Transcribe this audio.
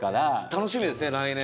楽しみですね来年。